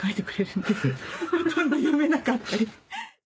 ほとんど読めなかったり。